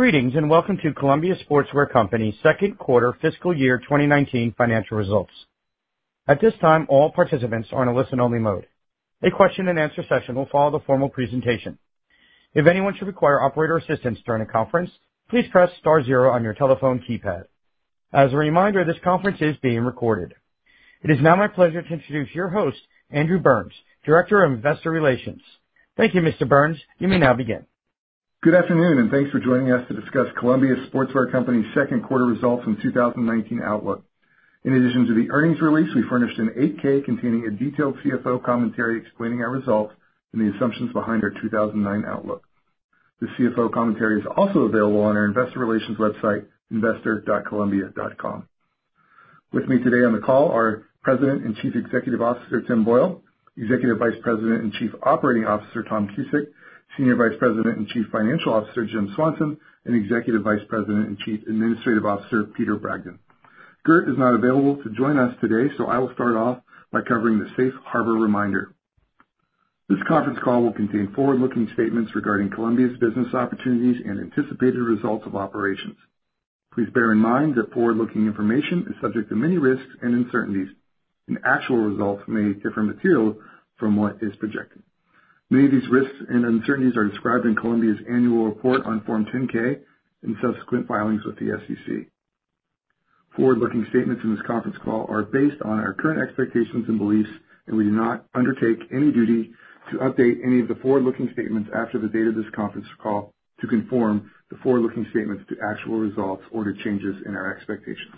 Greetings, welcome to Columbia Sportswear Company's second quarter fiscal year 2019 financial results. At this time, all participants are on a listen-only mode. A question and answer session will follow the formal presentation. If anyone should require operator assistance during the conference, please press star zero on your telephone keypad. As a reminder, this conference is being recorded. It is now my pleasure to introduce your host, Andrew Burns, Director of Investor Relations. Thank you, Mr. Burns. You may now begin. Good afternoon. Thanks for joining us to discuss Columbia Sportswear Company's second quarter results and 2019 outlook. In addition to the earnings release, we furnished an 8-K containing a detailed CFO commentary explaining our results and the assumptions behind our 2019 outlook. The CFO commentary is also available on our investor relations website, investor.columbia.com. With me today on the call are President and Chief Executive Officer, Tim Boyle, Executive Vice President and Chief Operating Officer, Tom Cusick, Senior Vice President and Chief Financial Officer, Jim Swanson, and Executive Vice President and Chief Administrative Officer, Peter Bragdon. Gert is not available to join us today. I will start off by covering the safe harbor reminder. This conference call will contain forward-looking statements regarding Columbia's business opportunities and anticipated results of operations. Please bear in mind that forward-looking information is subject to many risks and uncertainties, and actual results may differ materially from what is projected. Many of these risks and uncertainties are described in Columbia's annual report on Form 10-K and subsequent filings with the SEC. Forward-looking statements in this conference call are based on our current expectations and beliefs, and we do not undertake any duty to update any of the forward-looking statements after the date of this conference call to conform the forward-looking statements to actual results or to changes in our expectations.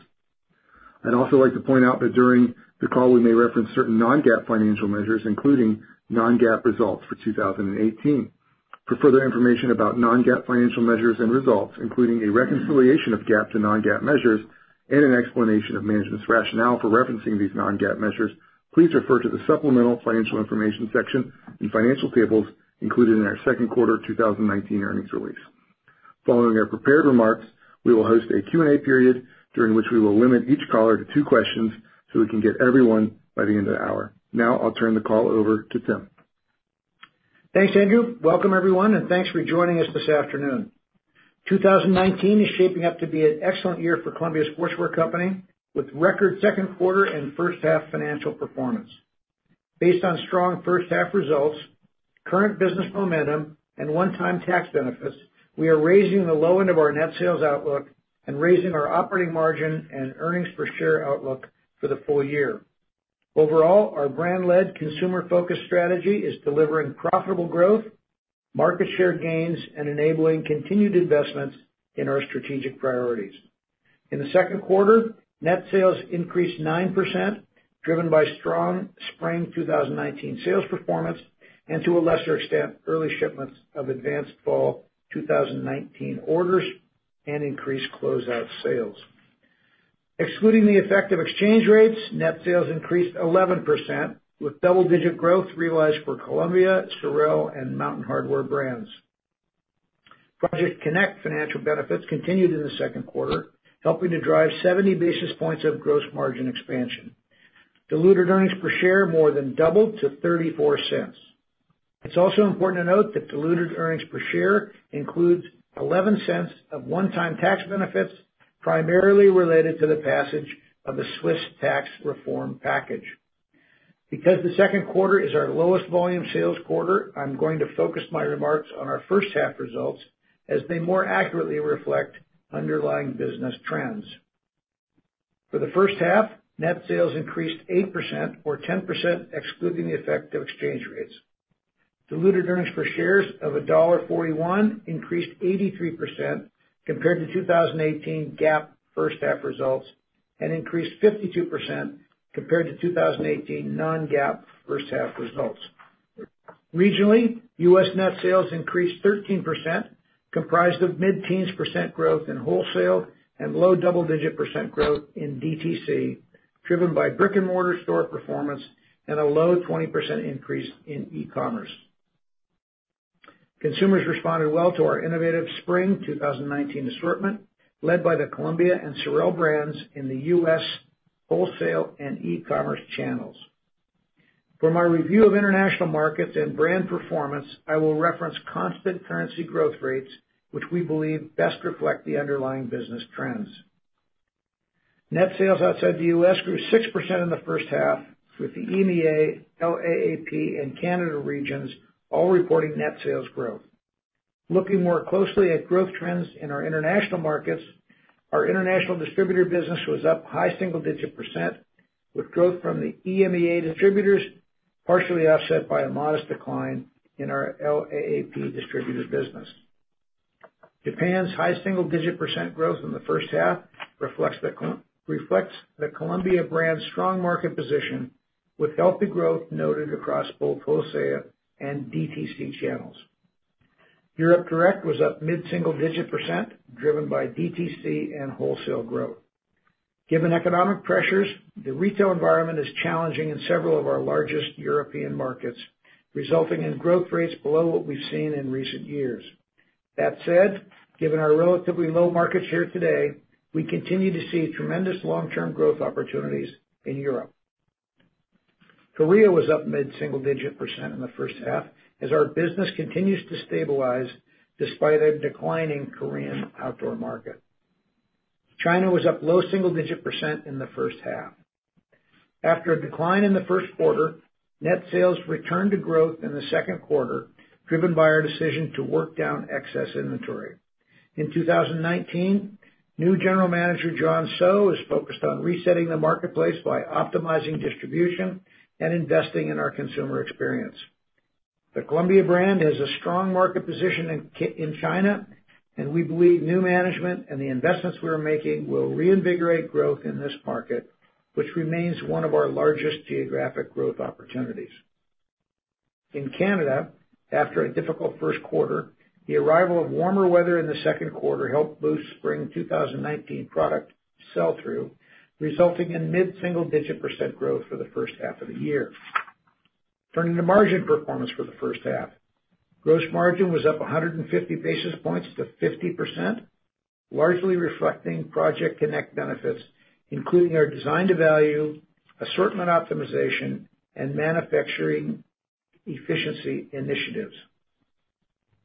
I'd also like to point out that during the call we may reference certain non-GAAP financial measures, including non-GAAP results for 2018. For further information about non-GAAP financial measures and results, including a reconciliation of GAAP to non-GAAP measures and an explanation of management's rationale for referencing these non-GAAP measures, please refer to the supplemental financial information section and financial tables included in our second quarter 2019 earnings release. Following our prepared remarks, we will host a Q&A period during which we will limit each caller to two questions so we can get to everyone by the end of the hour. Now, I'll turn the call over to Tim. Thanks, Andrew. Welcome everyone, and thanks for joining us this afternoon. 2019 is shaping up to be an excellent year for Columbia Sportswear Company, with record second quarter and first half financial performance. Based on strong first half results, current business momentum, and one-time tax benefits, we are raising the low end of our net sales outlook and raising our operating margin and earnings per share outlook for the full year. Overall, our brand-led consumer focus strategy is delivering profitable growth, market share gains, and enabling continued investments in our strategic priorities. In the second quarter, net sales increased 9%, driven by strong Spring 2019 sales performance, and to a lesser extent, early shipments of advanced Fall 2019 orders and increased closeout sales. Excluding the effect of exchange rates, net sales increased 11%, with double-digit growth realized for Columbia, SOREL, and Mountain Hardwear brands. Project CONNECT financial benefits continued in the second quarter, helping to drive 70 basis points of gross margin expansion. Diluted earnings per share more than doubled to $0.34. It's also important to note that diluted earnings per share includes $0.11 of one-time tax benefits, primarily related to the passage of the Swiss tax reform. Because the second quarter is our lowest volume sales quarter, I'm going to focus my remarks on our first half results as they more accurately reflect underlying business trends. For the first half, net sales increased 8%, or 10% excluding the effect of exchange rates. Diluted earnings per shares of $1.41 increased 83% compared to 2018 GAAP first half results, and increased 52% compared to 2018 non-GAAP first half results. Regionally, U.S. net sales increased 13%, comprised of mid-teens percent growth in wholesale and low double-digit percent growth in DTC, driven by brick and mortar store performance and a low 20% increase in e-commerce. Consumers responded well to our innovative spring 2019 assortment, led by the Columbia and SOREL brands in the U.S. wholesale and e-commerce channels. For my review of international markets and brand performance, I will reference constant currency growth rates, which we believe best reflect the underlying business trends. Net sales outside the U.S. grew 6% in the first half, with the EMEA, LAAP, and Canada regions all reporting net sales growth. Looking more closely at growth trends in our international markets, our international distributor business was up high single digit percent, with growth from the EMEA distributors partially offset by a modest decline in our LAAP distributor business. Japan's high single-digit % growth in the first half reflects the Columbia brand's strong market position with healthy growth noted across both wholesale and DTC channels. Europe Direct was up mid single-digit %, driven by DTC and wholesale growth. Given economic pressures, the retail environment is challenging in several of our largest European markets, resulting in growth rates below what we've seen in recent years. That said, given our relatively low market share today, we continue to see tremendous long-term growth opportunities in Europe. Korea was up mid-single-digit % in the first half as our business continues to stabilize despite a declining Korean outdoor market. China was up low single-digit % in the first half. After a decline in the first quarter, net sales returned to growth in the second quarter, driven by our decision to work down excess inventory. In 2019, new general manager John Soh is focused on resetting the marketplace by optimizing distribution and investing in our consumer experience. The Columbia brand has a strong market position in China, and we believe new management and the investments we are making will reinvigorate growth in this market, which remains one of our largest geographic growth opportunities. In Canada, after a difficult first quarter, the arrival of warmer weather in the second quarter helped boost spring 2019 product sell-through, resulting in mid-single digit percent growth for the first half of the year. Turning to margin performance for the first half. Gross margin was up 150 basis points to 50%, largely reflecting Project CONNECT benefits, including our design to value, assortment optimization, and manufacturing efficiency initiatives.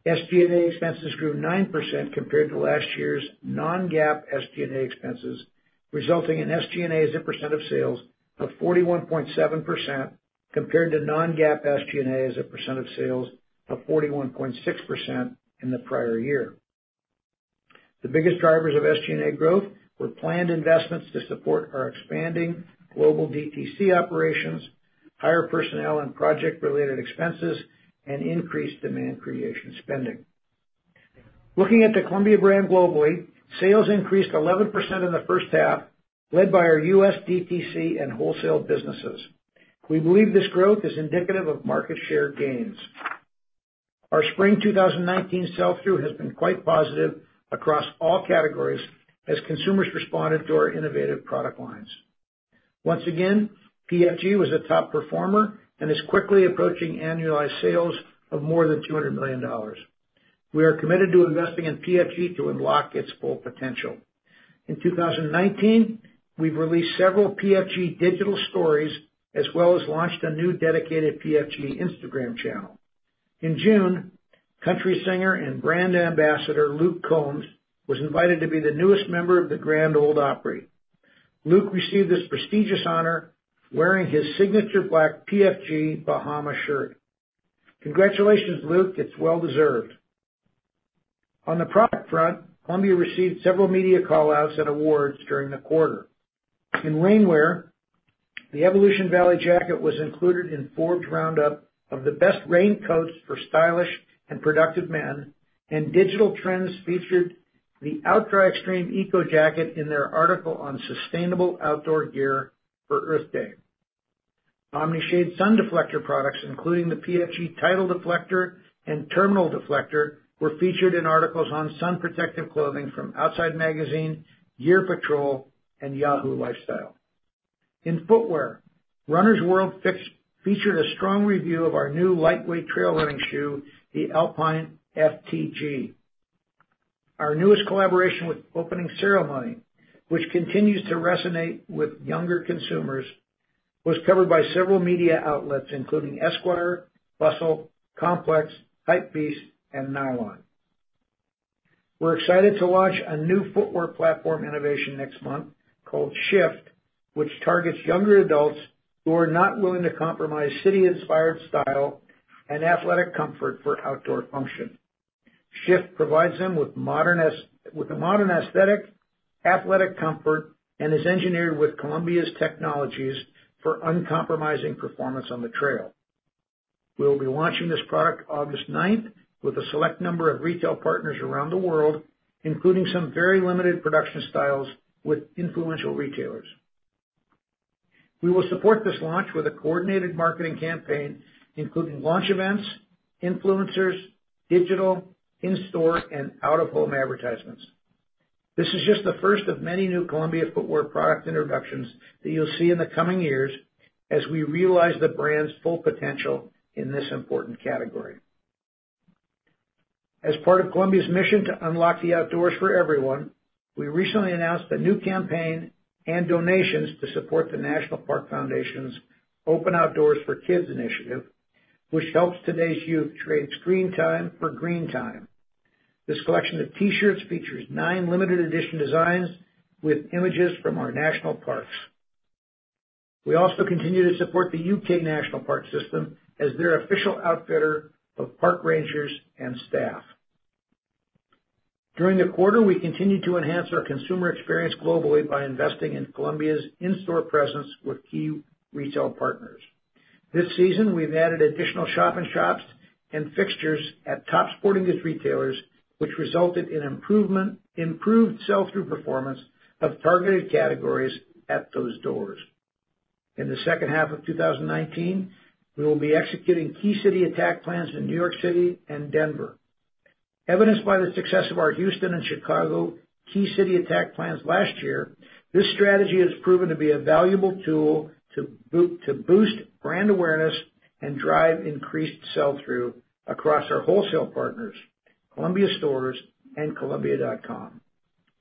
SG&A expenses grew 9% compared to last year's non-GAAP SG&A expenses, resulting in SG&A as a percent of sales of 41.7% compared to non-GAAP SG&A as a percent of sales of 41.6% in the prior year. The biggest drivers of SG&A growth were planned investments to support our expanding global DTC operations, higher personnel and project-related expenses, and increased demand creation spending. Looking at the Columbia brand globally, sales increased 11% in the first half, led by our U.S. DTC and wholesale businesses. We believe this growth is indicative of market share gains. Our spring 2019 sell-through has been quite positive across all categories as consumers responded to our innovative product lines. Once again, PFG was a top performer and is quickly approaching annualized sales of more than $200 million. We are committed to investing in PFG to unlock its full potential. In 2019, we've released several PFG digital stories, as well as launched a new dedicated PFG Instagram channel. In June, country singer and brand ambassador Luke Combs was invited to be the newest member of the Grand Ole Opry. Luke received this prestigious honor wearing his signature black PFG Bahama shirt. Congratulations, Luke. It's well-deserved. On the product front, Columbia received several media call-outs and awards during the quarter. In rainwear, the Evolution Valley jacket was included in Forbes' roundup of the best raincoats for stylish and productive men. Digital Trends featured the OutDry Extreme ECO jacket in their article on sustainable outdoor gear for Earth Day. Omni-Shade sun deflector products, including the PFG Tidal Deflector and Terminal Deflector, were featured in articles on sun protective clothing from Outside Magazine, Gear Patrol, and Yahoo Lifestyle. In footwear, Runner's World featured a strong review of our new lightweight trail running shoe, the Alpine FTG. Our newest collaboration with Opening Ceremony, which continues to resonate with younger consumers, was covered by several media outlets, including Esquire, Bustle, Complex, Hypebeast, and NYLON. We're excited to launch a new footwear platform innovation next month called SH/FT, which targets younger adults who are not willing to compromise city-inspired style and athletic comfort for outdoor function. SH/FT provides them with a modern aesthetic, athletic comfort, and is engineered with Columbia's technologies for uncompromising performance on the trail. We'll be launching this product August 9th with a select number of retail partners around the world, including some very limited production styles with influential retailers. We will support this launch with a coordinated marketing campaign, including launch events, influencers, digital, in-store, and out-of-home advertisements. This is just the first of many new Columbia footwear product introductions that you'll see in the coming years as we realize the brand's full potential in this important category. As part of Columbia's mission to unlock the outdoors for everyone, we recently announced a new campaign and donations to support the National Park Foundation's Open OutDoors for Kids initiative, which helps today's youth trade screen time for green time. This collection of T-shirts features nine limited edition designs with images from our national parks. We also continue to support the U.K. National Parks system as their official outfitter of park rangers and staff. During the quarter, we continued to enhance our consumer experience globally by investing in Columbia's in-store presence with key retail partners. This season, we've added additional shop in shops and fixtures at top sporting goods retailers, which resulted in improved sell-through performance of targeted categories at those doors. In the second half of 2019, we will be executing key city attack plans in New York City and Denver. Evidenced by the success of our Houston and Chicago key city attack plans last year, this strategy has proven to be a valuable tool to boost brand awareness and drive increased sell-through across our wholesale partners, Columbia stores, and columbia.com.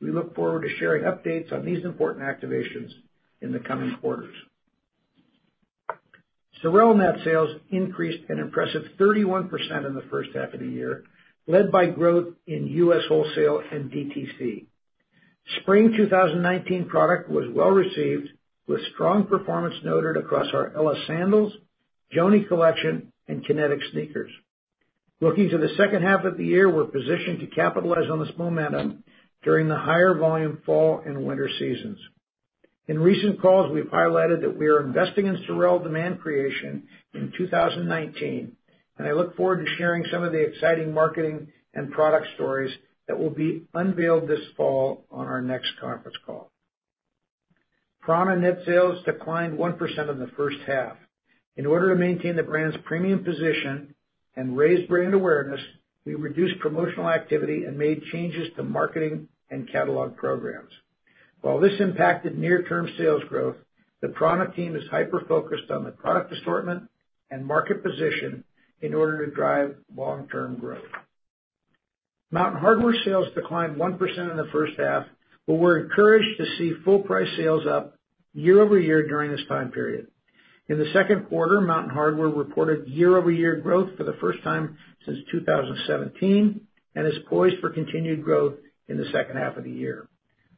We look forward to sharing updates on these important activations in the coming quarters. SOREL net sales increased an impressive 31% in the first half of the year, led by growth in US wholesale and DTC. Spring 2019 product was well-received, with strong performance noted across our Ella sandals, Joanie collection, and Kinetic sneakers. Looking to the second half of the year, we're positioned to capitalize on this momentum during the higher volume fall and winter seasons. In recent calls, we've highlighted that we are investing in SOREL demand creation in 2019, and I look forward to sharing some of the exciting marketing and product stories that will be unveiled this fall on our next conference call. prAna net sales declined 1% in the first half. In order to maintain the brand's premium position and raise brand awareness, we reduced promotional activity and made changes to marketing and catalog programs. While this impacted near-term sales growth, the prAna team is hyper-focused on the product assortment and market position in order to drive long-term growth. Mountain Hardwear sales declined 1% in the first half, but we're encouraged to see full price sales up year-over-year during this time period. In the second quarter, Mountain Hardwear reported year-over-year growth for the first time since 2017 and is poised for continued growth in the second half of the year.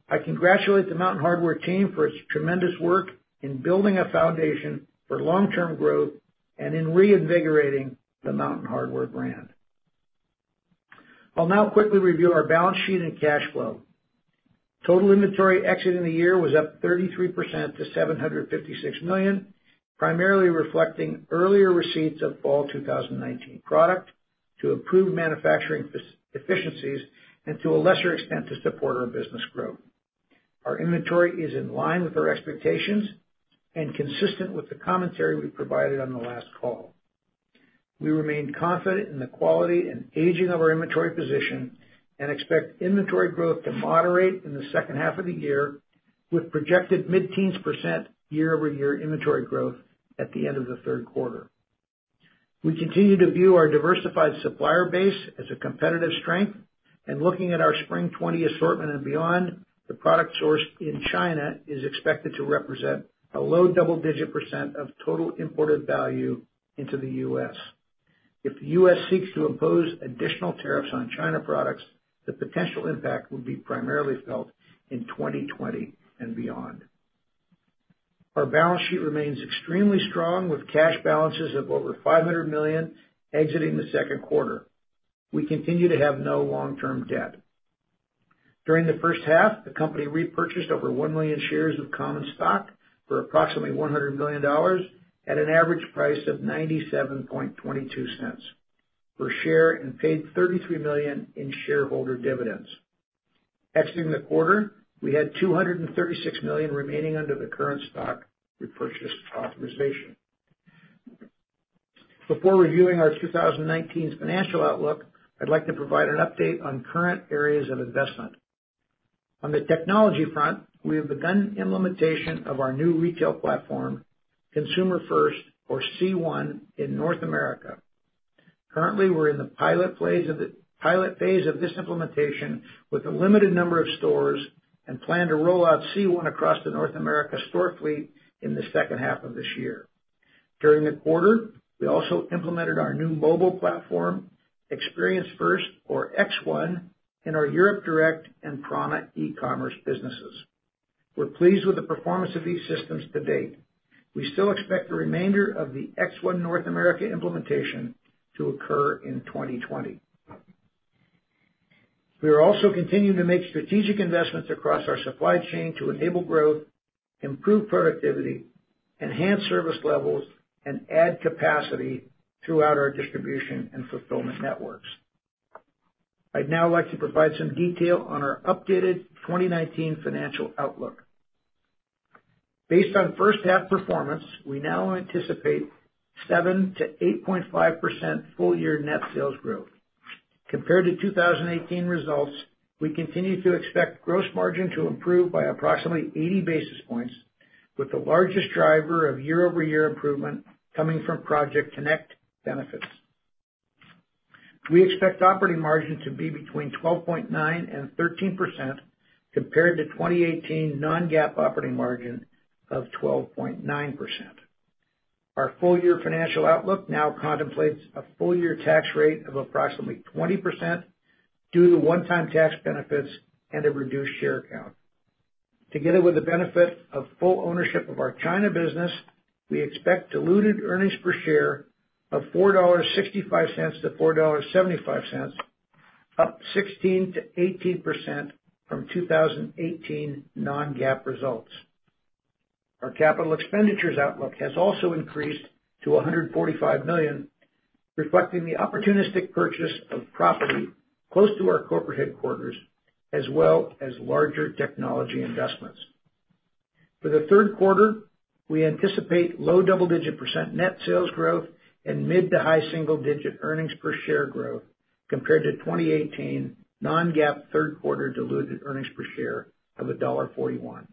I congratulate the Mountain Hardwear team for its tremendous work in building a foundation for long-term growth and in reinvigorating the Mountain Hardwear brand. I'll now quickly review our balance sheet and cash flow. Total inventory exiting the year was up 33% to $756 million, primarily reflecting earlier receipts of fall 2019 product to improve manufacturing efficiencies and to a lesser extent, to support our business growth. Our inventory is in line with our expectations and consistent with the commentary we provided on the last call. We remain confident in the quality and aging of our inventory position and expect inventory growth to moderate in the second half of the year with projected mid-teens% year-over-year inventory growth at the end of the third quarter. We continue to view our diversified supplier base as a competitive strength. Looking at our spring 2020 assortment and beyond, the product sourced in China is expected to represent a low double-digit% of total imported value into the U.S. If the U.S. seeks to impose additional tariffs on China products, the potential impact will be primarily felt in 2020 and beyond. Our balance sheet remains extremely strong with cash balances of over $500 million exiting the second quarter. We continue to have no long-term debt. During the first half, the company repurchased over 1 million shares of common stock for approximately $100 million at an average price of $0.9722 per share and paid $33 million in shareholder dividends. Exiting the quarter, we had $236 million remaining under the current stock repurchase authorization. Before reviewing our 2019 financial outlook, I'd like to provide an update on current areas of investment. On the technology front, we have begun implementation of our new retail platform, Consumer First, or C1, in North America. Currently, we're in the pilot phase of this implementation with a limited number of stores and plan to roll out C1 across the North America store fleet in the second half of this year. During the quarter, we also implemented our new mobile platform, Experience First, or X1, in our Europe Direct and prAna e-commerce businesses. We're pleased with the performance of these systems to date. We still expect the remainder of the X1 North America implementation to occur in 2020. We are also continuing to make strategic investments across our supply chain to enable growth, improve productivity, enhance service levels, and add capacity throughout our distribution and fulfillment networks. I'd now like to provide some detail on our updated 2019 financial outlook. Based on first half performance, we now anticipate 7%-8.5% full-year net sales growth. Compared to 2018 results, we continue to expect gross margin to improve by approximately 80 basis points, with the largest driver of year-over-year improvement coming from Project CONNECT benefits. We expect operating margin to be between 12.9% and 13%, compared to 2018 non-GAAP operating margin of 12.9%. Our full-year financial outlook now contemplates a full-year tax rate of approximately 20% due to one-time tax benefits and a reduced share count. Together with the benefit of full ownership of our China business, we expect diluted earnings per share of $4.65 to $4.75, up 16%-18% from 2018 non-GAAP results. Our capital expenditures outlook has also increased to $145 million, reflecting the opportunistic purchase of property close to our corporate headquarters, as well as larger technology investments. For the third quarter, we anticipate low double-digit percent net sales growth and mid to high single-digit earnings per share growth compared to 2018 non-GAAP third quarter diluted earnings per share of $1.41.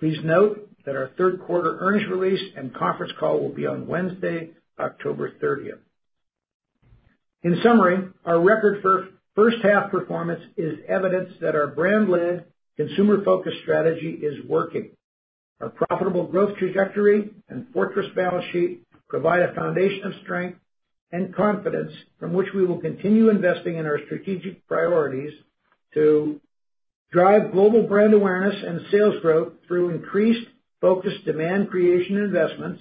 Please note that our third quarter earnings release and conference call will be on Wednesday, October 30th. In summary, our record for first half performance is evidence that our brand-led consumer-focused strategy is working. Our profitable growth trajectory and fortress balance sheet provide a foundation of strength and confidence from which we will continue investing in our strategic priorities to drive global brand awareness and sales growth through increased focused demand creation investments,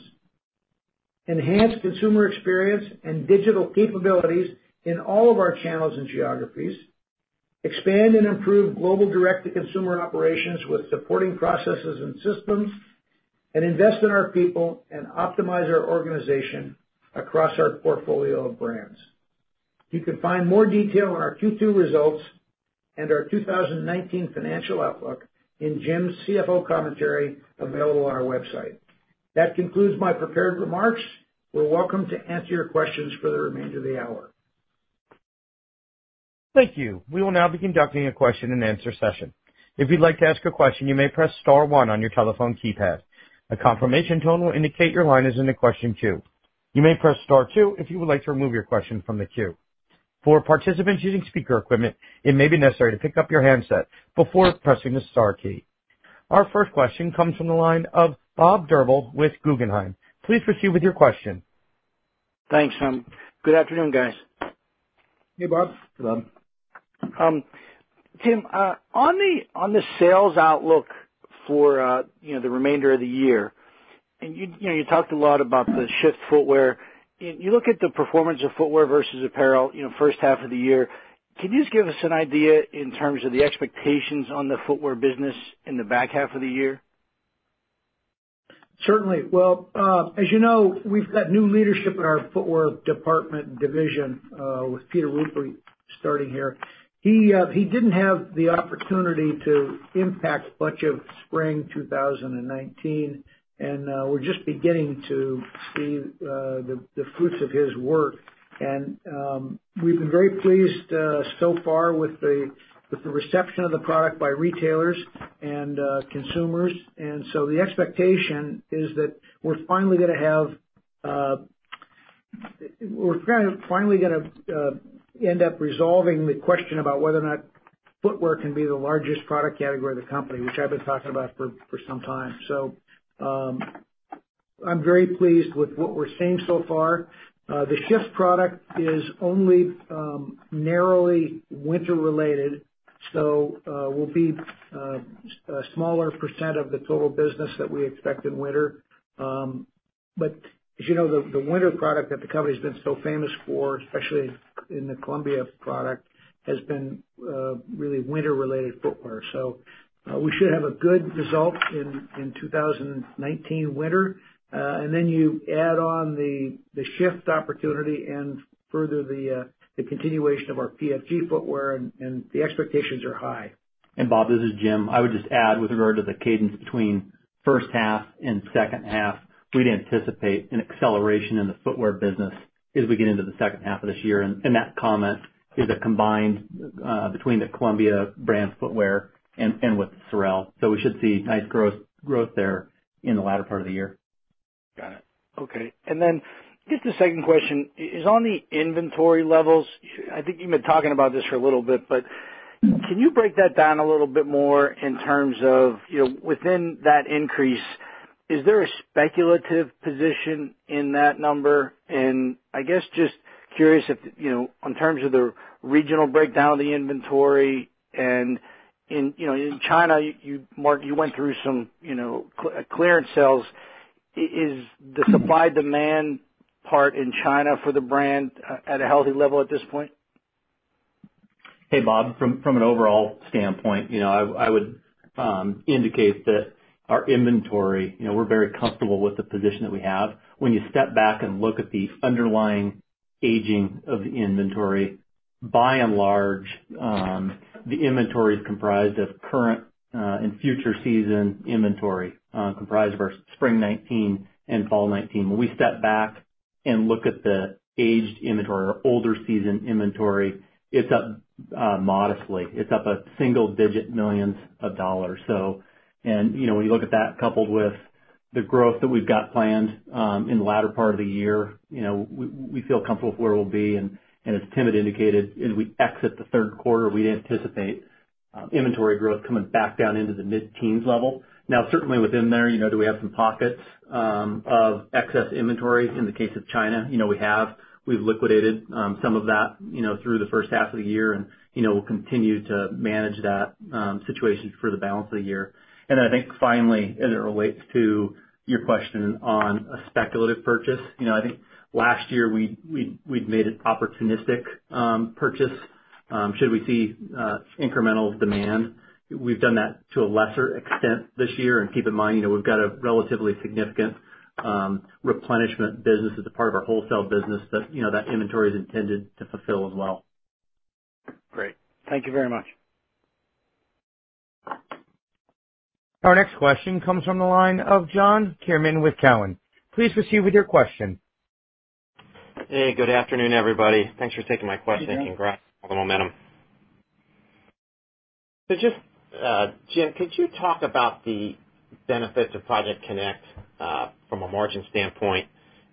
enhance consumer experience and digital capabilities in all of our channels and geographies, expand and improve global direct-to-consumer operations with supporting processes and systems, and invest in our people and optimize our organization across our portfolio of brands. You can find more detail on our Q2 results and our 2019 financial outlook in Jim's CFO commentary available on our website. That concludes my prepared remarks. We're welcome to answer your questions for the remainder of the hour. Thank you. We will now be conducting a question and answer session. If you'd like to ask a question, you may press star one on your telephone keypad. A confirmation tone will indicate your line is in the question queue. You may press star two if you would like to remove your question from the queue. For participants using speaker equipment, it may be necessary to pick up your handset before pressing the star key. Our first question comes from the line of Bob Drbul with Guggenheim. Please proceed with your question. Thanks. Good afternoon, guys. Hey, Bob. Hey. Tim, on the sales outlook for the remainder of the year, and you talked a lot about the SH/FT footwear. You look at the performance of footwear versus apparel in the first half of the year. Can you just give us an idea in terms of the expectations on the footwear business in the back half of the year? Certainly. Well, as you know, we've got new leadership in our footwear department division, with Peter Ruppe starting here. He didn't have the opportunity to impact much of spring 2019, and we're just beginning to see the fruits of his work. We've been very pleased so far with the reception of the product by retailers and consumers, and so the expectation is that we're finally going to end up resolving the question about whether or not footwear can be the largest product category of the company, which I've been talking about for some time. I'm very pleased with what we're seeing so far. The SH/FT product is only narrowly winter related, so will be a smaller % of the total business that we expect in winter. As you know, the winter product that the company's been so famous for, especially in the Columbia product, has been really winter related footwear. We should have a good result in 2019 winter. Then you add on the SH/FT opportunity and further the continuation of our PFG footwear, and the expectations are high. Bob, this is Jim. I would just add with regard to the cadence between first half and second half, we'd anticipate an acceleration in the footwear business as we get into the second half of this year. That comment is a combined between the Columbia brand footwear and with SOREL. We should see nice growth there in the latter part of the year. Got it. Okay. Then just a second question is on the inventory levels. I think you've been talking about this for a little bit, but can you break that down a little bit more in terms of within that increase, is there a speculative position in that number? I guess just curious if, in terms of the regional breakdown of the inventory and in China, Tim, you went through some clearance sales. Is the supply-demand part in China for the brand at a healthy level at this point? Hey, Bob. From an overall standpoint, I would indicate that our inventory, we're very comfortable with the position that we have. When you step back and look at the underlying aging of the inventory, by and large, the inventory is comprised of current and future season inventory, comprised of our spring 2019 and fall 2019. When we step back and look at the aged inventory or older season inventory, it's up modestly. It's up a single-digit millions of dollars. When you look at that coupled with the growth that we've got planned in the latter part of the year, we feel comfortable with where we'll be. As Tim had indicated, as we exit the third quarter, we'd anticipate inventory growth coming back down into the mid-teens level. Now, certainly within there, do we have some pockets of excess inventory? In the case of China, we have. We've liquidated some of that through the first half of the year. We'll continue to manage that situation for the balance of the year. I think finally, as it relates to your question on a speculative purchase, I think last year we'd made an opportunistic purchase should we see incremental demand. We've done that to a lesser extent this year. Keep in mind, we've got a relatively significant replenishment business as a part of our wholesale business that inventory is intended to fulfill as well. Great. Thank you very much. Our next question comes from the line of John Kernan with Cowen. Please proceed with your question. Hey, good afternoon, everybody. Thanks for taking my question. Hey, John. Congrats on the momentum. Just, Jim, could you talk about the benefits of Project CONNECT, from a margin standpoint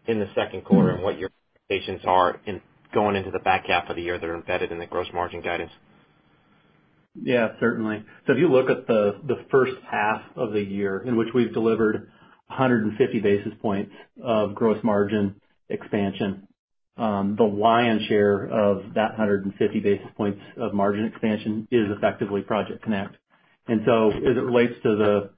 in the second quarter and what your expectations are in going into the back half of the year that are embedded in the gross margin guidance? Yeah, certainly. If you look at the first half of the year in which we've delivered 150 basis points of gross margin expansion, the lion's share of that 150 basis points of margin expansion is effectively Project CONNECT. As it relates to the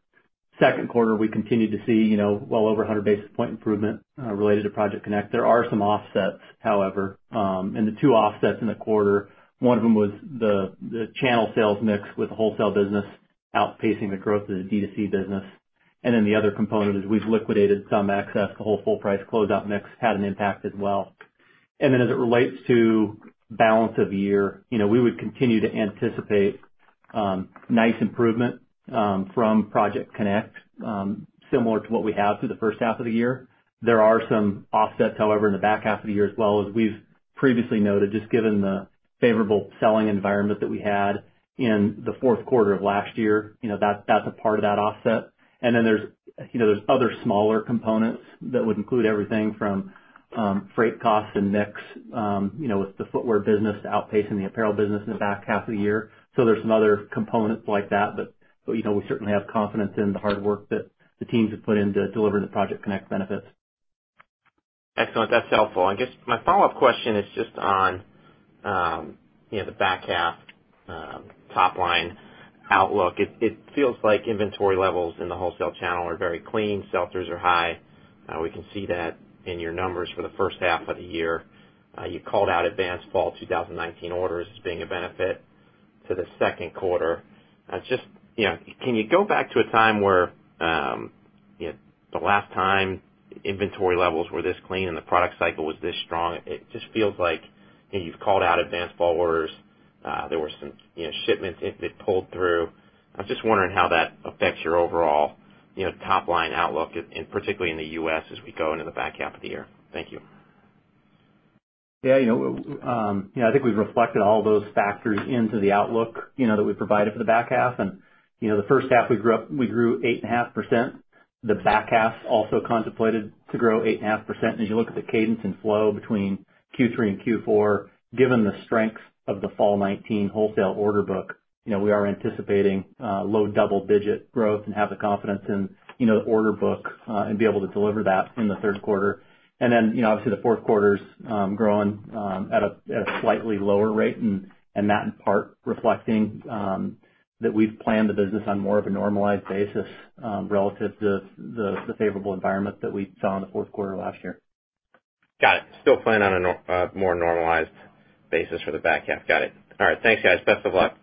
second quarter, we continue to see well over 100 basis point improvement related to Project CONNECT. There are some offsets, however. The two offsets in the quarter, one of them was the channel sales mix with the wholesale business outpacing the growth of the D2C business. The other component is we've liquidated some excess. The whole full price closeout mix had an impact as well. As it relates to balance of the year, we would continue to anticipate nice improvement from Project CONNECT, similar to what we have through the first half of the year. There are some offsets, however, in the back half of the year as well as we've previously noted, just given the favorable selling environment that we had in the fourth quarter of last year. That's a part of that offset. There's other smaller components that would include everything from freight costs and mix, with the footwear business outpacing the apparel business in the back half of the year. There's some other components like that, but we certainly have confidence in the hard work that the teams have put in to delivering the Project CONNECT benefits. Excellent. That's helpful. I guess my follow-up question is just on the back half top line outlook. It feels like inventory levels in the wholesale channel are very clean. Sell-throughs are high. We can see that in your numbers for the first half of the year. You called out advanced fall 2019 orders as being a benefit to the second quarter. Can you go back to a time where the last time inventory levels were this clean and the product cycle was this strong? It just feels like, you've called out advanced fall orders. There were some shipments that pulled through. I was just wondering how that affects your overall top line outlook, and particularly in the U.S. as we go into the back half of the year. Thank you. Yeah. I think we've reflected all those factors into the outlook that we provided for the back half. The first half, we grew 8.5%. The back half's also contemplated to grow 8.5%. As you look at the cadence and flow between Q3 and Q4, given the strength of the fall 2019 wholesale order book, we are anticipating low double-digit growth and have the confidence in the order book, and be able to deliver that in the third quarter. Obviously the fourth quarter's growing at a slightly lower rate, and that in part reflecting that we've planned the business on more of a normalized basis relative to the favorable environment that we saw in the fourth quarter of last year. Got it. Still plan on a more normalized basis for the back half. Got it. All right. Thanks, guys. Best of luck.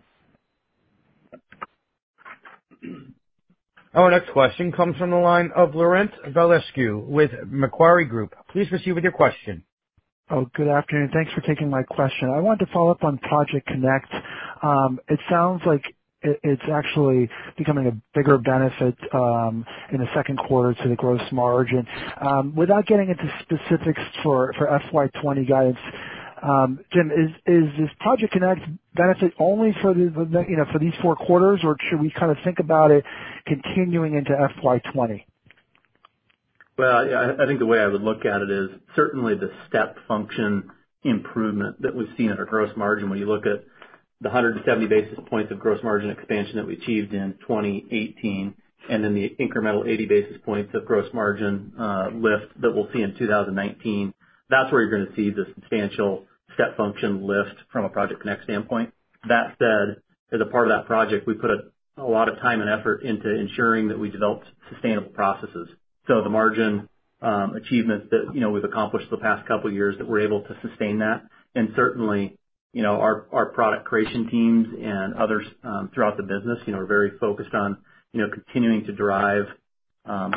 Our next question comes from the line of Laurent Vasilescu with Macquarie Group. Please proceed with your question. Good afternoon. Thanks for taking my question. I wanted to follow up on Project Connect. It sounds like it's actually becoming a bigger benefit, in the second quarter to the gross margin. Without getting into specifics for FY 2020 guidance, Jim, is this Project Connect benefit only for these four quarters, or should we kind of think about it continuing into FY 2020? Well, I think the way I would look at it is certainly the step function improvement that we've seen at our gross margin when you look at the 170 basis points of gross margin expansion that we achieved in 2018, the incremental 80 basis points of gross margin lift that we'll see in 2019. That's where you're going to see the substantial step function lift from a Project CONNECT standpoint. That said, as a part of that project, we put a lot of time and effort into ensuring that we developed sustainable processes. The margin achievement that we've accomplished the past couple of years, that we're able to sustain that. Certainly, our product creation teams and others throughout the business are very focused on continuing to drive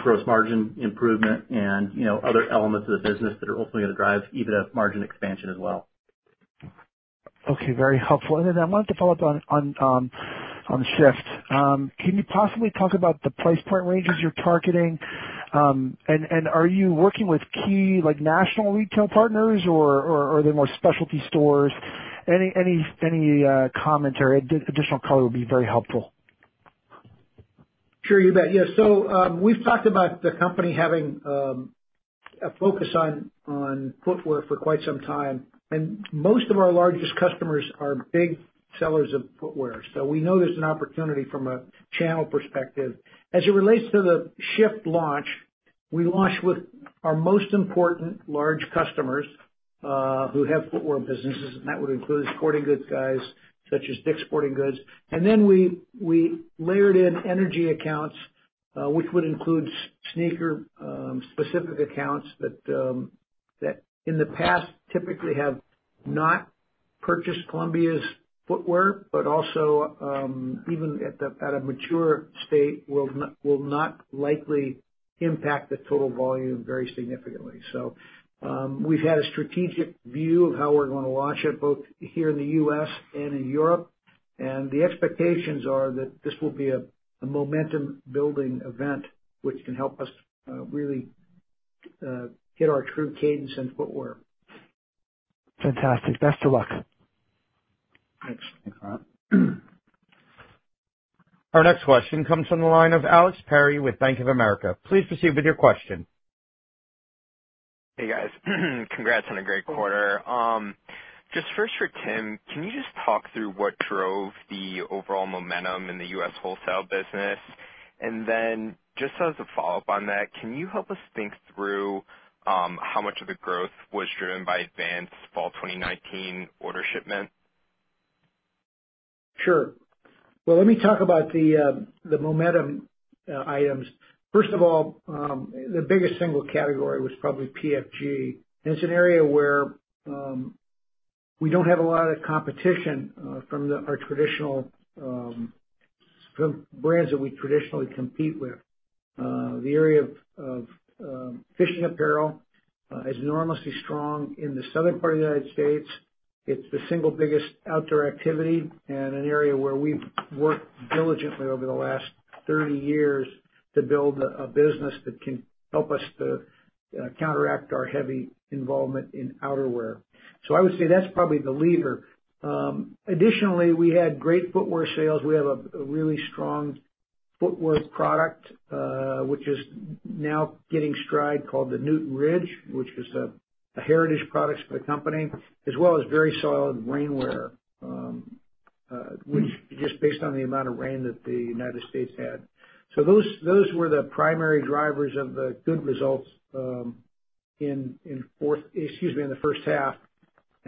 gross margin improvement and other elements of the business that are ultimately going to drive EBITDA margin expansion as well. Okay. Very helpful. Then I wanted to follow up on SH/FT. Can you possibly talk about the price point ranges you're targeting? Are you working with key, like, national retail partners, or are they more specialty stores? Any commentary, additional color would be very helpful. Sure, you bet. We've talked about the company having a focus on footwear for quite some time. Most of our largest customers are big sellers of footwear. We know there's an opportunity from a channel perspective. As it relates to the SH/FT launch, we launched with our most important large customers, who have footwear businesses, and that would include sporting goods guys such as Dick's Sporting Goods. We layered in energy accounts, which would include sneaker-specific accounts that, in the past, typically have not purchased Columbia's footwear, but also, even at a mature state, will not likely impact the total volume very significantly. We've had a strategic view of how we're going to launch it, both here in the U.S. and in Europe. The expectations are that this will be a momentum-building event, which can help us really hit our true cadence in footwear. Fantastic. Best of luck. Thanks. Our next question comes from the line of Alex Perry with Bank of America. Please proceed with your question. Hey, guys. Congrats on a great quarter. Just first for Tim, can you just talk through what drove the overall momentum in the U.S. wholesale business? Just as a follow-up on that, can you help us think through how much of the growth was driven by advance fall 2019 order shipment? Sure. Well, let me talk about the momentum items. First of all, the biggest single category was probably PFG. It's an area where we don't have a lot of competition from brands that we traditionally compete with. The area of fishing apparel is enormously strong in the southern part of the U.S. It's the single biggest outdoor activity and an area where we've worked diligently over the last 30 years to build a business that can help us to counteract our heavy involvement in outerwear. I would say that's probably the leader. Additionally, we had great footwear sales. We have a really strong footwear product, which is now getting stride, called the Newton Ridge, which is a heritage product for the company, as well as very solid rainwear, which just based on the amount of rain that the U.S. had. Those were the primary drivers of the good results in the first half.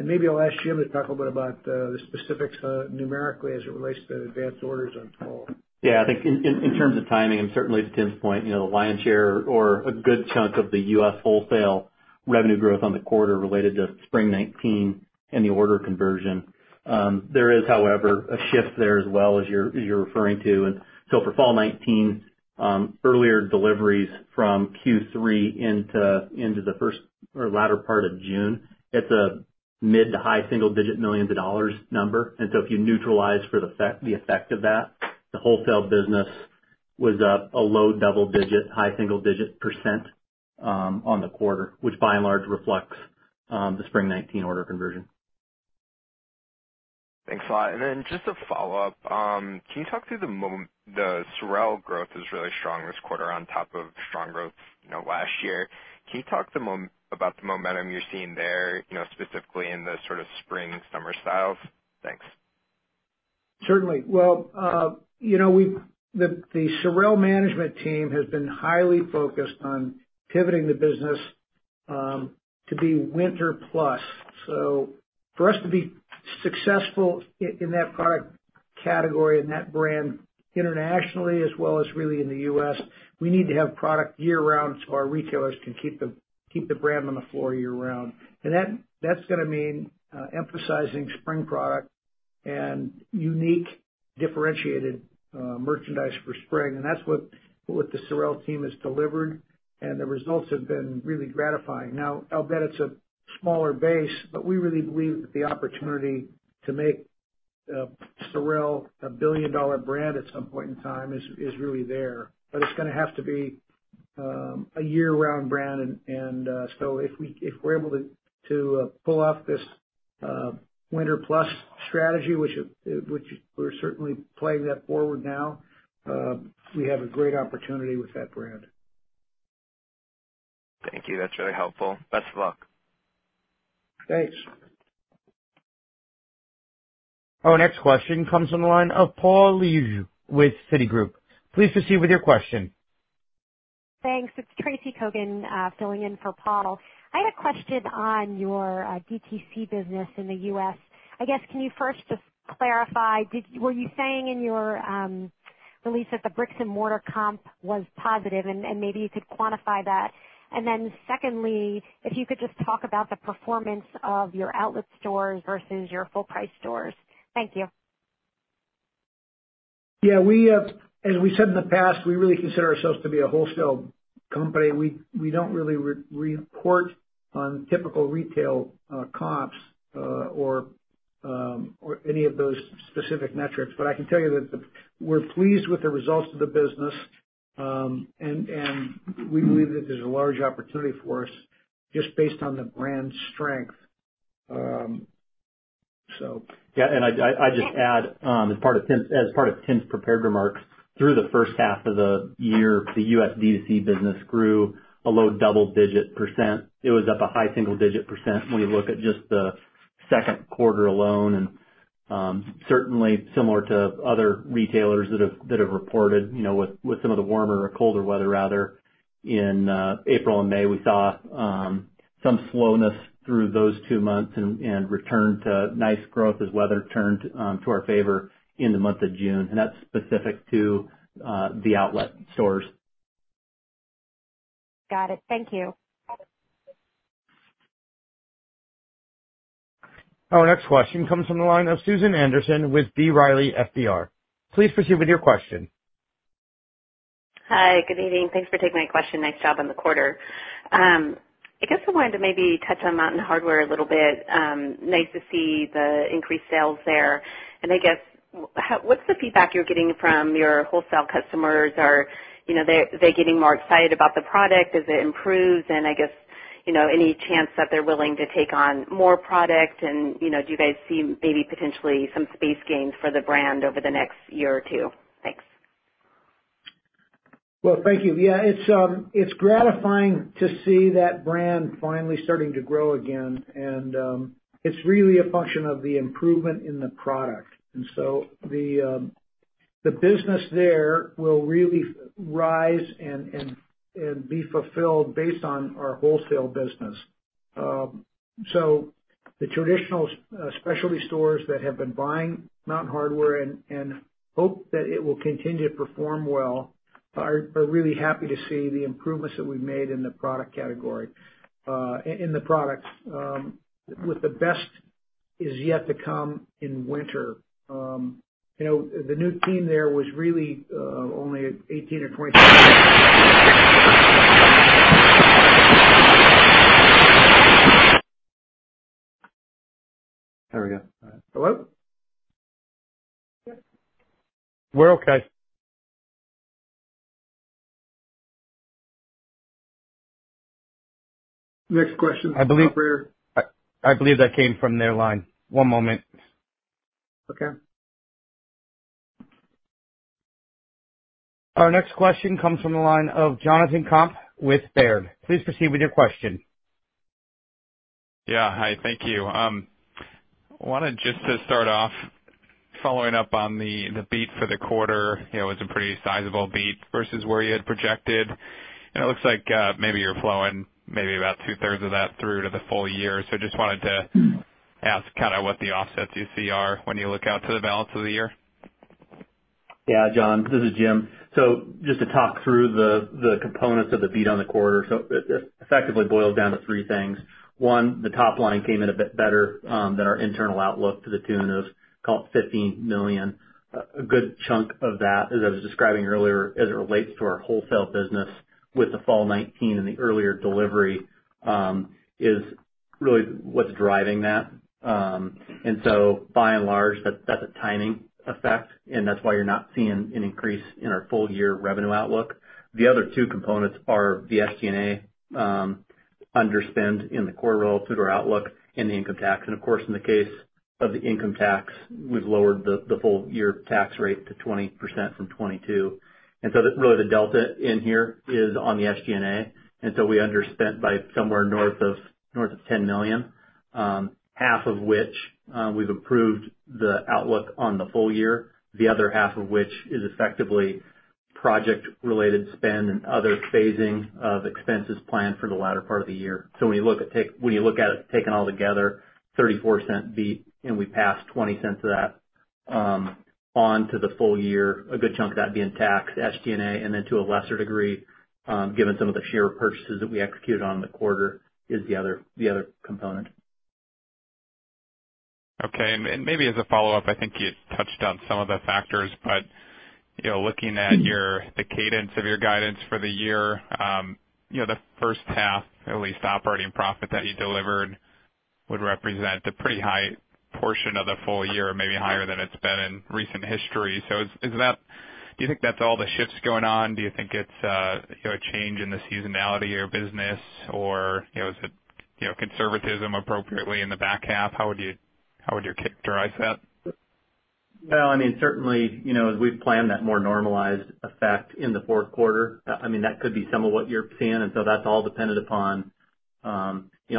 Maybe I'll ask Jim to talk a little bit about the specifics numerically as it relates to advanced orders on fall. Yeah, I think in terms of timing, and certainly to Tim's point, the lion's share or a good chunk of the U.S. wholesale revenue growth on the quarter related to spring '19 and the order conversion. There is, however, a shift there as well as you're referring to. For fall '19, earlier deliveries from Q3 into the first or latter part of June, it's a mid to high single-digit millions of dollars number. If you neutralize for the effect of that, the wholesale business was up a low double-digit, high single-digit %, on the quarter, which by and large reflects the spring '19 order conversion. Thanks a lot. Just a follow-up. Can you talk through the momentum the SOREL growth is really strong this quarter on top of strong growth last year? Can you talk about the momentum you're seeing there, specifically in the sort of spring, summer styles? Thanks. Certainly. Well, the SOREL management team has been highly focused on pivoting the business to be winter plus. For us to be successful in that product category and that brand internationally as well as really in the U.S., we need to have product year-round so our retailers can keep the brand on the floor year-round. That's going to mean emphasizing spring product and unique, differentiated merchandise for spring. That's what the SOREL team has delivered, and the results have been really gratifying. Now, I'll bet it's a smaller base, we really believe that the opportunity to make SOREL a billion-dollar brand at some point in time is really there. It's going to have to be a year-round brand. If we're able to pull off this winter plus strategy, which we're certainly playing that forward now, we have a great opportunity with that brand. Thank you. That's really helpful. Best of luck. Thanks. Our next question comes from the line of Paul Lejuez with Citigroup. Please proceed with your question. Thanks. It's Tracy Kogan filling in for Paul. I had a question on your DTC business in the U.S. I guess, can you first just clarify, were you saying in your release that the bricks and mortar comp was positive? Maybe you could quantify that. Secondly, if you could just talk about the performance of your outlet stores versus your full price stores. Thank you. Yeah. As we said in the past, we really consider ourselves to be a wholesale company. We don't really report on typical retail comps or any of those specific metrics. I can tell you that we're pleased with the results of the business, and we believe that there's a large opportunity for us just based on the brand strength. Yeah. I'd just add, as part of Tim's prepared remarks, through the first half of the year, the U.S. DTC business grew a low double-digit %. It was up a high single-digit % when you look at just the second quarter alone. Certainly similar to other retailers that have reported with some of the warmer or colder weather rather in April and May, we saw some slowness through those two months and returned to nice growth as weather turned to our favor in the month of June. That's specific to the outlet stores. Got it. Thank you. Our next question comes from the line of Susan Anderson with B. Riley FBR. Please proceed with your question. Hi. Good evening. Thanks for taking my question. Nice job on the quarter. I guess I wanted to maybe touch on Mountain Hardwear a little bit. Nice to see the increased sales there. I guess, what's the feedback you're getting from your wholesale customers? Are they getting more excited about the product as it improves? Any chance that they're willing to take on more product? Do you guys see maybe potentially some space gains for the brand over the next year or two? Thanks. Well, thank you. Yeah, it's gratifying to see that brand finally starting to grow again, it's really a function of the improvement in the product. The business there will really rise and be fulfilled based on our wholesale business. The traditional specialty stores that have been buying Mountain Hardwear and hope that it will continue to perform well are really happy to see the improvements that we've made in the product category, in the products, with the best is yet to come in winter. The new team there was really, only 18 or 20- There we go. Hello? We're okay. Next question, operator. I believe that came from their line. One moment. Okay. Our next question comes from the line of Jonathan Komp with Baird. Please proceed with your question. Yeah. Hi, thank you. I wanted just to start off following up on the beat for the quarter. It was a pretty sizable beat versus where you had projected, and it looks like maybe you're flowing maybe about two-thirds of that through to the full year. Just wanted to ask kind of what the offsets you see are when you look out to the balance of the year. Yeah, Jon, this is Jim. Just to talk through the components of the beat on the quarter. It effectively boils down to three things. One, the top line came in a bit better than our internal outlook to the tune of call it $15 million. A good chunk of that, as I was describing earlier, as it relates to our wholesale business with the fall 2019 and the earlier delivery, is really what's driving that. By and large, that's a timing effect, and that's why you're not seeing an increase in our full-year revenue outlook. The other two components are the SG&A underspend in the quarter relative to our outlook and the income tax. Of course, in the case of the income tax, we've lowered the full-year tax rate to 20% from 22%. Really the delta in here is on the SG&A. We underspent by somewhere north of $10 million, half of which, we've improved the outlook on the full year, the other half of which is effectively project-related spend and other phasing of expenses planned for the latter part of the year. When you look at it taken all together, $0.34 beat. We passed $0.20 of that onto the full year. A good chunk of that being tax, SG&A, and then to a lesser degree, given some of the share purchases that we executed on in the quarter is the other component. Okay. Maybe as a follow-up, I think you touched on some of the factors, but looking at the cadence of your guidance for the year, the first half, at least operating profit that you delivered would represent a pretty high portion of the full year, maybe higher than it's been in recent history. Do you think that's all the shifts going on? Do you think it's a change in the seasonality of your business or is it conservatism appropriately in the back half? How would you characterize that? Well, certainly, as we've planned that more normalized effect in the fourth quarter, that could be some of what you're seeing. So that's all dependent upon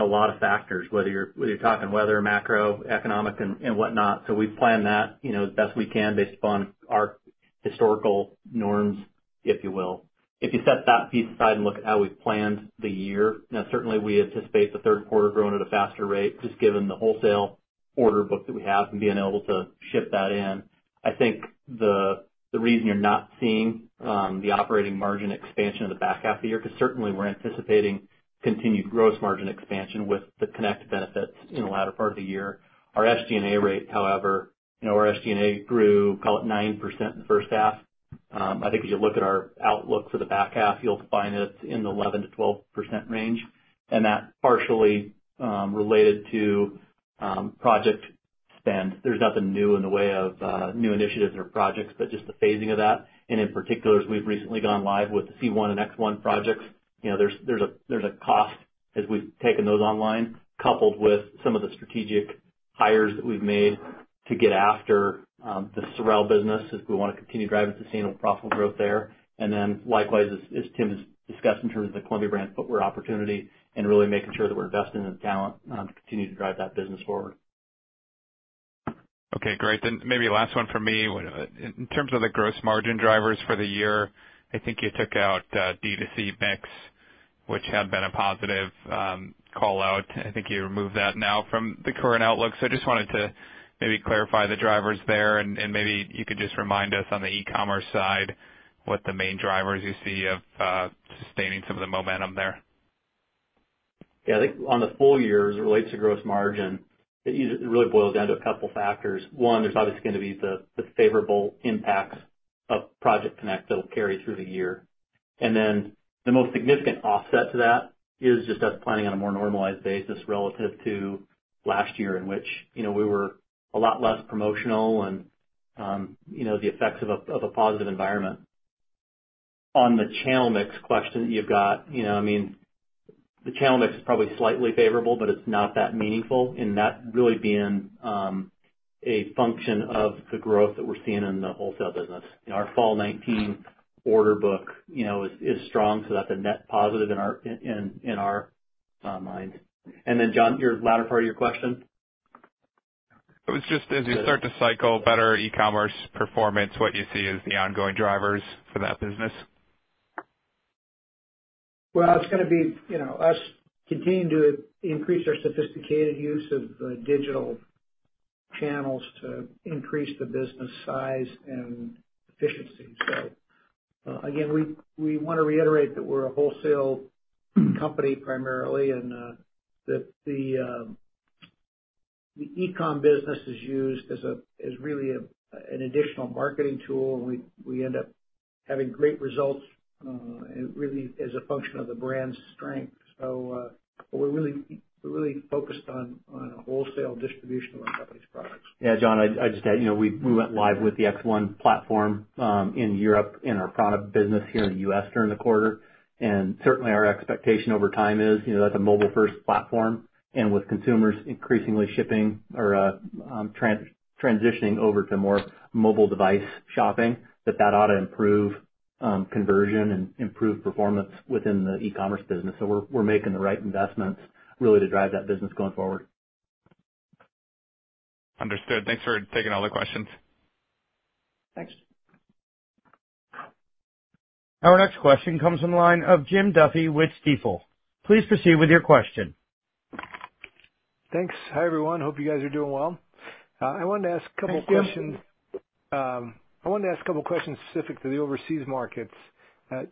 a lot of factors, whether you're talking weather, macroeconomic and whatnot. We plan that as best we can based upon our historical norms, if you will. If you set that piece aside and look at how we've planned the year, certainly we anticipate the third quarter growing at a faster rate just given the wholesale order book that we have and being able to ship that in. I think the reason you're not seeing the operating margin expansion in the back half of the year, because certainly we're anticipating continued gross margin expansion with the Project CONNECT benefits in the latter part of the year. Our SG&A rate, however, our SG&A grew, call it 9% in the first half. I think if you look at our outlook for the back half, you'll find it in the 11%-12% range, that's partially related to project spend. There's nothing new in the way of new initiatives or projects, just the phasing of that. In particular, as we've recently gone live with the C1 and X1 projects, there's a cost as we've taken those online, coupled with some of the strategic hires that we've made to get after the SOREL business as we want to continue to drive sustainable profitable growth there. Likewise, as Tim has discussed in terms of the Columbia Brand Footwear opportunity and really making sure that we're investing in the talent to continue to drive that business forward. Okay, great. Maybe last one from me. In terms of the gross margin drivers for the year, I think you took out D2C mix, which had been a positive call-out. I think you removed that now from the current outlook. Just wanted to maybe clarify the drivers there, and maybe you could just remind us on the e-commerce side what the main drivers you see of sustaining some of the momentum there. Yeah, I think on the full year, as it relates to gross margin, it really boils down to a couple factors. One, there's obviously going to be the favorable impacts of Project CONNECT that will carry through the year. The most significant offset to that is just us planning on a more normalized basis relative to last year in which we were a lot less promotional and the effects of a positive environment. On the channel mix question that you've got, the channel mix is probably slightly favorable, but it's not that meaningful in that really being a function of the growth that we're seeing in the wholesale business. Our fall 2019 order book is strong, so that's a net positive in our mind. John, your latter part of your question? It was just as you start to cycle better e-commerce performance, what you see as the ongoing drivers for that business? It's going to be us continuing to increase our sophisticated use of the digital channels to increase the business size and efficiency. Again, we want to reiterate that we're a wholesale company primarily, and that the e-com business is used as really an additional marketing tool, and we end up having great results really as a function of the brand's strength. We're really focused on the wholesale distribution of our company's products. Yeah, John, I just add, we went live with the X1 platform, in Europe, in our prAna business here in the U.S. during the quarter. Certainly our expectation over time is, that's a mobile-first platform, and with consumers increasingly shipping or transitioning over to more mobile device shopping, that that ought to improve conversion and improve performance within the e-commerce business. We're making the right investments really to drive that business going forward. Understood. Thanks for taking all the questions. Thanks. Our next question comes from the line of Jim Duffy with Stifel. Please proceed with your question. Thanks. Hi, everyone. Hope you guys are doing well. I wanted to ask a couple questions. Yes. I wanted to ask a couple questions specific to the overseas markets.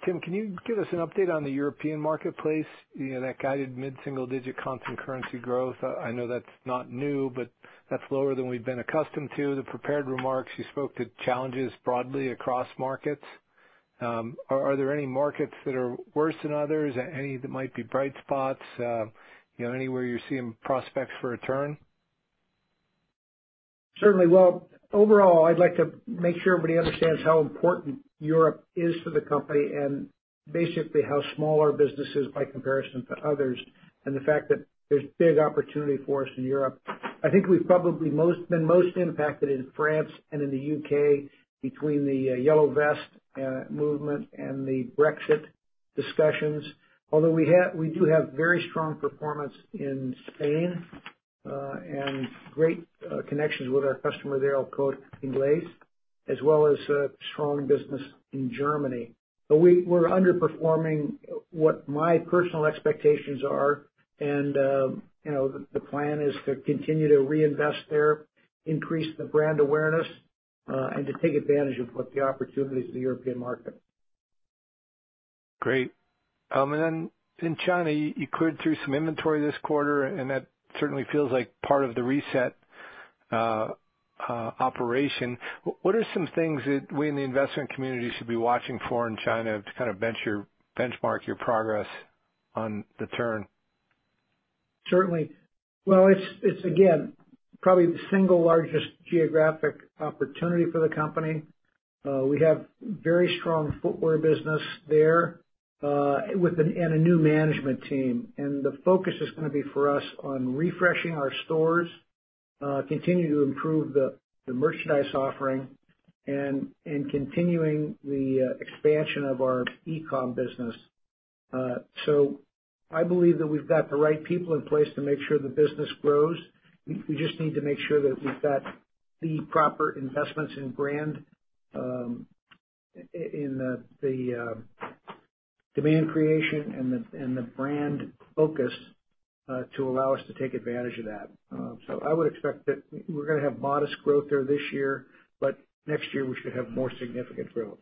Tim, can you give us an update on the European marketplace? That guided mid-single digit constant currency growth. I know that's not new, but that's lower than we've been accustomed to. The prepared remarks, you spoke to challenges broadly across markets. Are there any markets that are worse than others? Any that might be bright spots? Anywhere you're seeing prospects for a turn? Certainly. Well, overall, I'd like to make sure everybody understands how important Europe is for the company and basically how small our business is by comparison to others, and the fact that there's big opportunity for us in Europe. I think we've probably been most impacted in France and in the U.K. between the Yellow Vest movement and the Brexit discussions. We do have very strong performance in Spain, and great connections with our customer there, El Corte Inglés, as well as a strong business in Germany. We're underperforming what my personal expectations are, and the plan is to continue to reinvest there, increase the brand awareness, and to take advantage of what the opportunities in the European market. Great. In China, you cleared through some inventory this quarter, and that certainly feels like part of the reset operation. What are some things that we in the investment community should be watching for in China to kind of benchmark your progress on the turn? Certainly. Well, it's again, probably the single largest geographic opportunity for the company. We have very strong footwear business there, and a new management team. The focus is going to be for us on refreshing our stores, continue to improve the merchandise offering, and continuing the expansion of our e-com business. I believe that we've got the right people in place to make sure the business grows. We just need to make sure that we've got the proper investments in brand, in the demand creation, and the brand focus, to allow us to take advantage of that. I would expect that we're going to have modest growth there this year, but next year we should have more significant growth,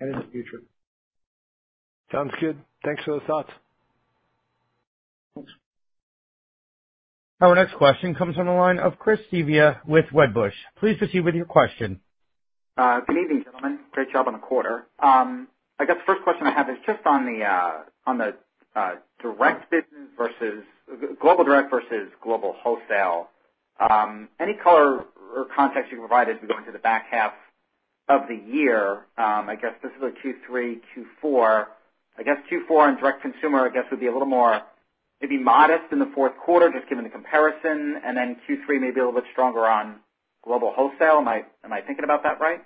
and in the future. Sounds good. Thanks for those thoughts. Thanks. Our next question comes from the line of Chris Svezia with Wedbush. Please proceed with your question. Good evening, gentlemen. Great job on the quarter. I guess the first question I have is just on the global direct versus global wholesale. Any color or context you can provide as we go into the back half of the year? I guess this is a Q3, Q4. I guess Q4 on direct consumer, I guess, would be a little more, maybe modest in the fourth quarter, just given the comparison. Q3 may be a little bit stronger on global wholesale. Am I thinking about that right?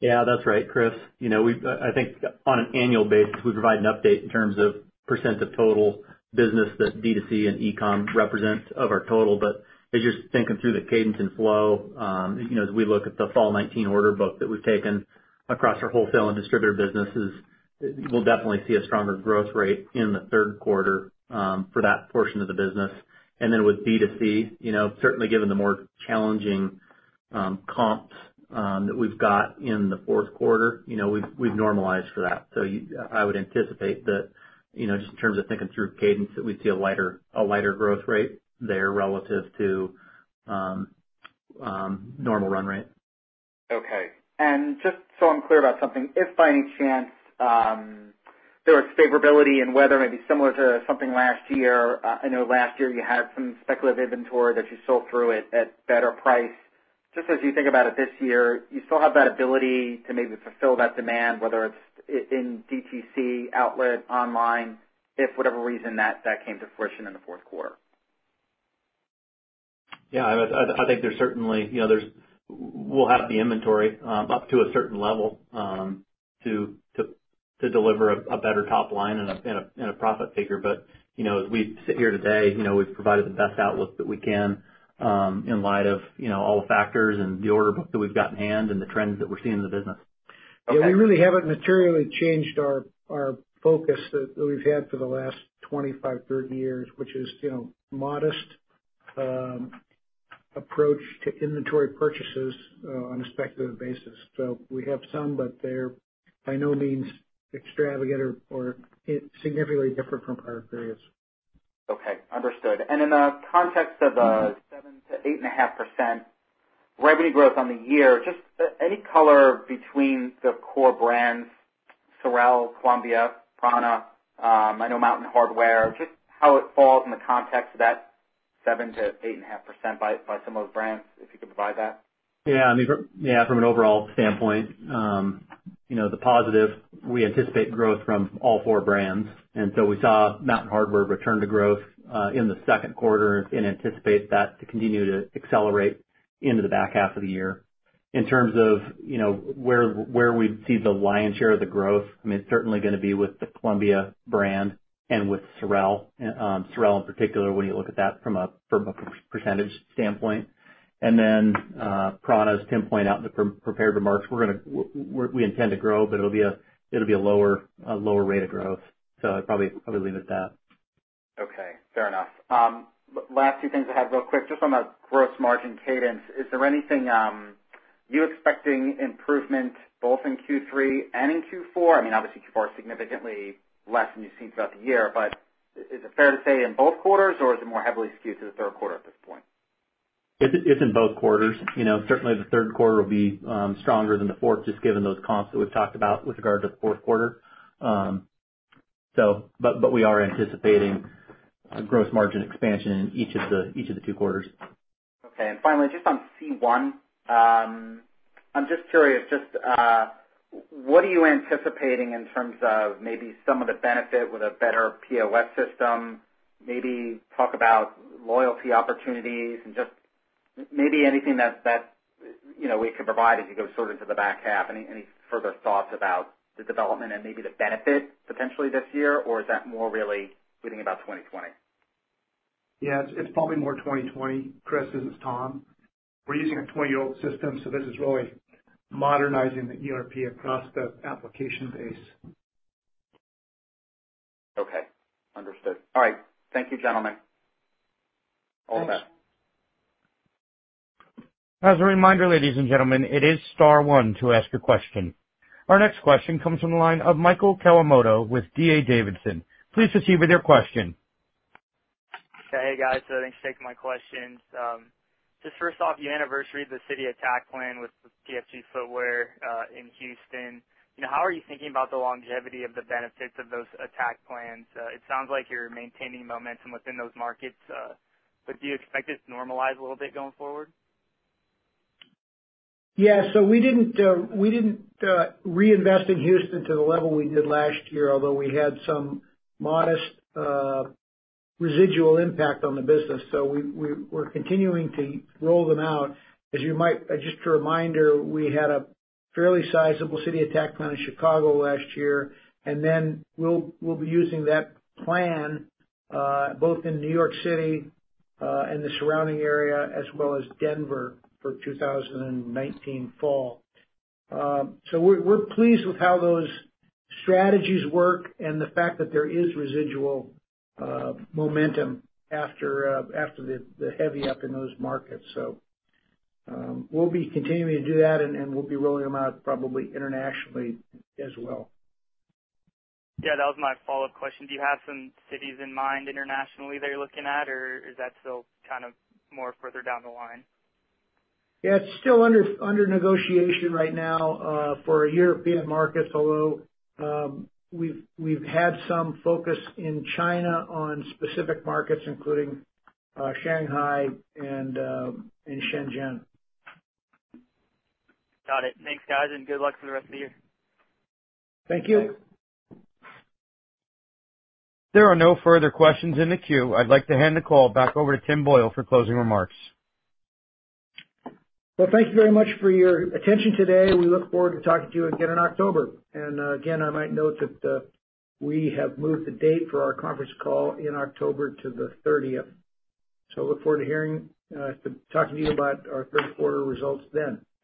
Yeah, that's right, Chris. I think on an annual basis, we provide an update in terms of percent of total business that D2C and e-com represent of our total. As you're thinking through the cadence and flow, as we look at the fall 2019 order book that we've taken across our wholesale and distributor businesses, we'll definitely see a stronger growth rate in the third quarter, for that portion of the business. Then with D2C, certainly given the more challenging comps that we've got in the fourth quarter, we've normalized for that. I would anticipate that, just in terms of thinking through cadence, that we'd see a lighter growth rate there relative to normal run rate. Okay. Just so I'm clear about something, if by any chance There was favorability in weather, maybe similar to something last year. I know last year you had some speculative inventory that you sold through at better price. Just as you think about it this year, you still have that ability to maybe fulfill that demand, whether it's in DTC, outlet, online, if for whatever reason that came to fruition in the fourth quarter. Yeah, I think we'll have the inventory up to a certain level, to deliver a better top line and a profit figure. As we sit here today, we've provided the best outlook that we can, in light of all the factors and the order book that we've got in hand and the trends that we're seeing in the business. Okay. Yeah, we really haven't materially changed our focus that we've had for the last 25, 30 years. Which is modest approach to inventory purchases on a speculative basis. We have some, but they're by no means extravagant or significantly different from prior periods. Okay, understood. In the context of the 7%-8.5% revenue growth on the year, just any color between the core brands, SOREL, Columbia, prAna, I know Mountain Hardwear, just how it falls in the context of that 7%-8.5% by some of those brands, if you could provide that? From an overall standpoint, the positive, we anticipate growth from all four brands. We saw Mountain Hardwear return to growth, in the second quarter and anticipate that to continue to accelerate into the back half of the year. In terms of where we see the lion's share of the growth, it's certainly going to be with the Columbia brand and with SOREL. SOREL in particular when you look at that from a percentage standpoint. Then, prAna, as Tim pointed out in the prepared remarks, we intend to grow, but it'll be a lower rate of growth. I'd probably leave it at that. Okay, fair enough. Last few things I had real quick, just on the gross margin cadence, is there anything you expecting improvement both in Q3 and in Q4? Obviously Q4 is significantly less than you've seen throughout the year, but is it fair to say in both quarters or is it more heavily skewed to the third quarter at this point? It's in both quarters. Certainly the third quarter will be stronger than the fourth, just given those comps that we've talked about with regard to the fourth quarter. We are anticipating gross margin expansion in each of the two quarters. Okay. Finally, just on C1. I'm just curious, what are you anticipating in terms of maybe some of the benefit with a better POS system? Maybe talk about loyalty opportunities and just maybe anything that we can provide as you go sort of to the back half. Any further thoughts about the development and maybe the benefit potentially this year? Is that more really thinking about 2020? Yeah, it's probably more 2020. Chris, this is Tom. We're using a 20-year-old system. This is really modernizing the ERP across the application base. Okay, understood. All right. Thank you, gentlemen. All done. Thanks. As a reminder, ladies and gentlemen, it is star one to ask a question. Our next question comes from the line of Michael Kawamoto with D.A. Davidson. Please proceed with your question. Hey, guys. Thanks for taking my questions. Just first off, the anniversary of the city attack plan with PFG Footwear, in Houston. How are you thinking about the longevity of the benefits of those attack plans? It sounds like you're maintaining momentum within those markets. Do you expect this to normalize a little bit going forward? Yeah, we didn't reinvest in Houston to the level we did last year, although we had some modest residual impact on the business. We're continuing to roll them out. Just a reminder, we had a fairly sizable city attack plan in Chicago last year, and then we'll be using that plan, both in New York City, and the surrounding area, as well as Denver for 2019 fall. We're pleased with how those strategies work and the fact that there is residual momentum after the heavy lift in those markets. We'll be continuing to do that, and we'll be rolling them out probably internationally as well. Yeah, that was my follow-up question. Do you have some cities in mind internationally that you're looking at, or is that still kind of more further down the line? Yeah, it's still under negotiation right now, for European markets, although, we've had some focus in China on specific markets, including Shanghai and Shenzhen. Got it. Thanks, guys, and good luck for the rest of the year. Thank you. There are no further questions in the queue. I'd like to hand the call back over to Tim Boyle for closing remarks. Well, thank you very much for your attention today. We look forward to talking to you again in October. Again, I might note that we have moved the date for our conference call in October to the 30th. Look forward to talking to you about our third quarter results then. Thank you.